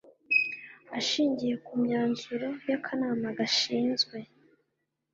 ashingiye ku myanzuro y akanama gashinzwe